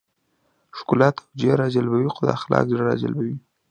ښکلا توجه راجلبوي خو اخلاق زړه راجلبوي.